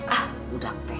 ah budak teh